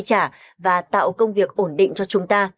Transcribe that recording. hãy chi trả và tạo công việc ổn định cho chúng ta